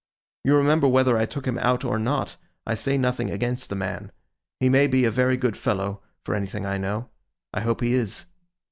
You remember whether I took him out or not. I say nothing against the man; he may be a very good fellow, for anything I know; I hope he is.